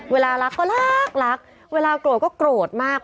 เวลารักก็รักรักเวลาโกรธก็โกรธมาก